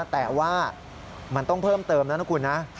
แต่ว่ามันต้องเพิ่มเติมนะครับคุณ